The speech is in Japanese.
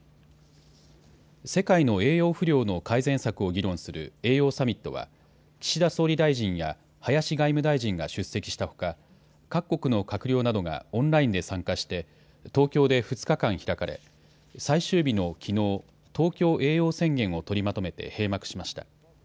世界の栄養不良の改善策を議論する栄養サミットは岸田総理大臣や林外務大臣が出席したほか各国の閣僚などがオンラインで参加して東京で２日間開かれ最終日のきのう、東京栄養宣言を取りまとめて閉幕しました。